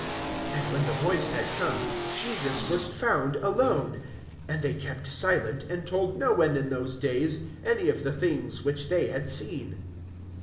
(36)And when the voice had come, Jesus was found alone. And they kept silent, and told no one in those days any of the things which they had seen.